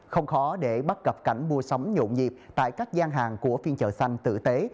không khó để bắt gặp cảnh mua sắm nhộn nhịp tại các gian hàng của phiên chợ xanh tử tế